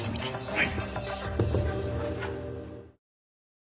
はい。